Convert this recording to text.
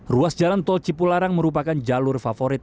ruas jalan tol cipularang merupakan jalur favorit